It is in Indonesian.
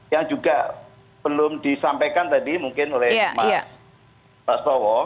yang juga belum disampaikan tadi mungkin oleh mbak sowo